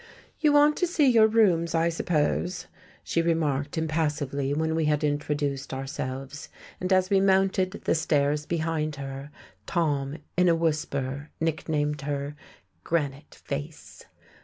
"You want to see your rooms, I suppose," she remarked impassively when we had introduced ourselves, and as we mounted the stairs behind her Tom, in a whisper, nicknamed her "Granite Face."